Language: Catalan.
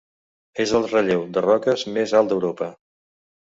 És el relleu de roques més alt d'Europa.